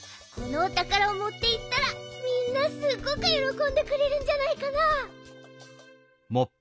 このおたからをもっていったらみんなすっごくよろこんでくれるんじゃないかな。